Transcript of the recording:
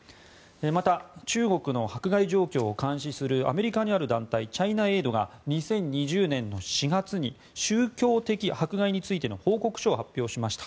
また、中国の迫害状況を監視するアメリカにある団体チャイナ・エイドが２０２０年の４月に宗教的迫害についての報告書を発表しました。